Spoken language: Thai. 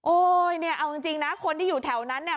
เนี่ยเอาจริงนะคนที่อยู่แถวนั้นเนี่ย